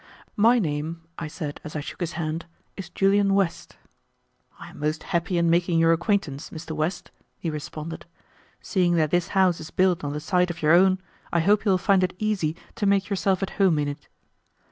"My name," I said as I shook his hand, "is Julian West." "I am most happy in making your acquaintance, Mr. West," he responded. "Seeing that this house is built on the site of your own, I hope you will find it easy to make yourself at home in it."